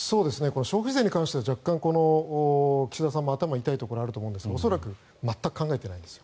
消費税に関しては若干、岸田さんも頭が痛いところがあると思いますが恐らく全く考えてないです。